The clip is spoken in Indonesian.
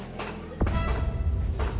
dalam dua hari lagi